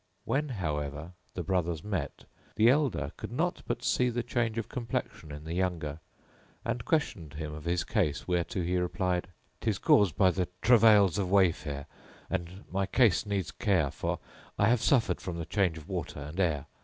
When, however, the brothers met, the elder could not but see the change of complexion in the younger and questioned him of his case whereto he replied, "Tis caused by the travails of wayfare and my case needs care, for I have suffered from the change of water and air!